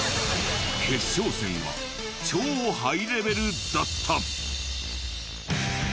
決勝戦は超ハイレベルだった！